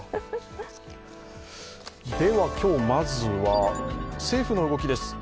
今日、まずは政府の動きです。